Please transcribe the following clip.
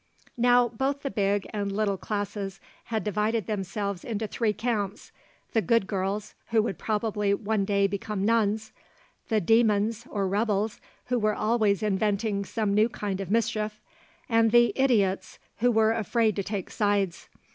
Now both the big and little classes had divided themselves into three camps: the 'good' girls, who would probably one day become nuns; the 'demons,' or rebels, who were always inventing some new kind of mischief; and the 'idiots,' who were afraid to take sides.